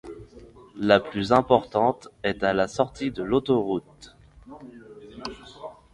La plus importante est à la sortie de l'autoroute.